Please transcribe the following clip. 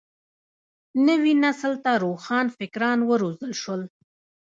نوي نسل ته روښان فکران وروزل شول.